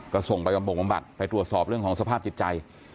ก็ส่งไปบำบงบำบัดไปตรวจสอบเรื่องของสภาพจิตใจ